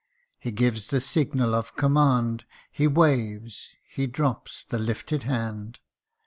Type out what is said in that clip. He gives the signal of command, He waves he drops the lifted hand